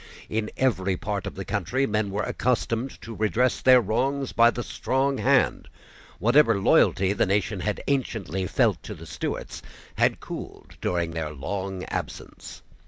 In every part of the country men were accustomed to redress their wrongs by the strong hand. Whatever loyalty the nation had anciently felt to the Stuarts had cooled during their long absence.